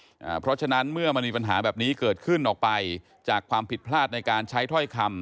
เพราะฉะนั้นเมื่อมันมีปัญหาแบบนี้เกิดขึ้นออกไปจากความผิดพลาดในการใช้ถ้อยคำ